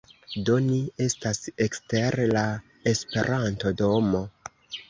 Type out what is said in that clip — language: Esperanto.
Do, ni estas ekster la Esperanto-domo